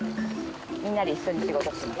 みんなで一緒に仕事してます。